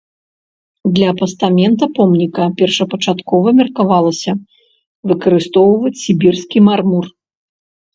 Для пастамента помніка першапачаткова меркавалася выкарыстоўваць сібірскі мармур.